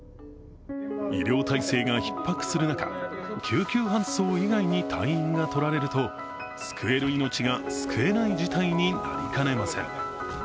医療体制がひっ迫する中、救急搬送以外に隊員がとられると救える命が救えない事態になりかねません。